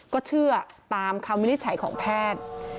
ก็เชื่อตามคำวินิจฉัยของแพทย์